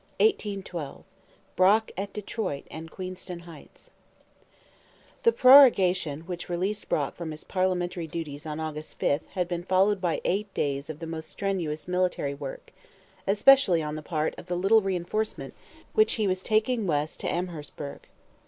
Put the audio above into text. CHAPTER IV 1812: BROCK AT DETROIT AND QUEENSTON HEIGHTS The prorogation which released Brock from his parliamentary duties on August 5 had been followed by eight days of the most strenuous military work, especially on the part of the little reinforcement which he was taking west to Amherstburg.